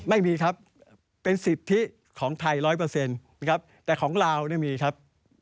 ไม่มีครับเป็นสิทธิของไทย๑๐๐นะครับแต่ของลาวเนี่ยมีครับ